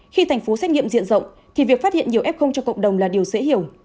khi thành phố xét nghiệm diện rộng thì việc phát hiện nhiều f cho cộng đồng là điều dễ hiểu